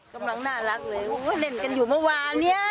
กำลังน่ารักเลยเล่นกันอยู่เมื่อวานเนี่ย